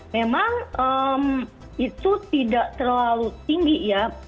memang itu tidak terlalu tinggi ya